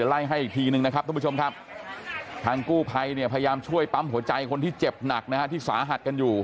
ไล่ให้อีกทีนึงนะครับทุกผู้ชมครับทางกู้ภัยเนี่ยพยายามช่วยปั๊มหัวใจคนที่เจ็บหนักนะฮะที่สาหัสกันอยู่